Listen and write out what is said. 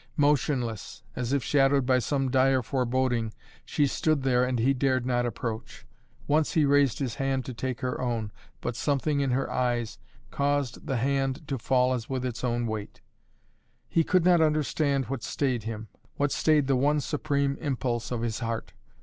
Motionless, as if shadowed by some dire foreboding, she stood there and he dared not approach. Once he raised his hand to take her own. But something in her eyes caused the hand to fall as with its own weight. He could not understand what stayed him, what stayed the one supreme impulse of his heart.